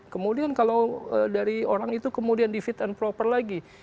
kemudian kalau dari orang itu kemudian di fit and proper lagi